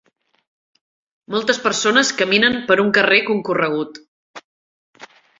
Moltes persones caminen per un carrer concorregut.